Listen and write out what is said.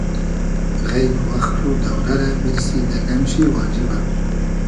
غݷد و وئخت و دۆرۂ رۂ بیرسی دۂ گئم شی واجیبۂ